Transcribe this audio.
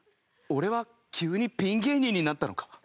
俺は急にピン芸人になったのか？